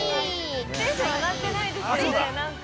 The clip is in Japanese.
◆テンション上がってないですよね、なんか。